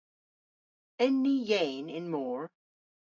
En ni yeyn y'n mor?